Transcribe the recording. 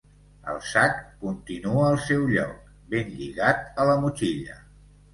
El sac continua al seu lloc, ben lligat a la motxilla.